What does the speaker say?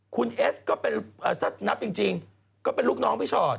คุณเอสก็เป็นถ้านับจริงก็เป็นลูกน้องพี่ชอต